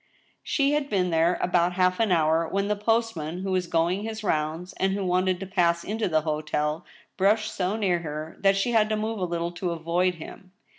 She had been there about half an hour, when the postman, who was going his rounds, and who wanted to pass into the hotel, brushed so near her that she had to move a little to avoid him.